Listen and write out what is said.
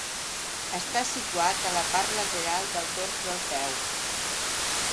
Està situat a la part lateral del dors del peu.